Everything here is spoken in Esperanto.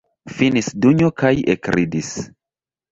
Finis Dunjo kaj ekridis.